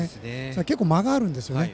結構、間があるんですよね